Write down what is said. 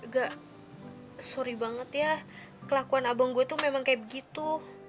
agak suri banget ya kelakuan abang gue tuh memang kayak begitu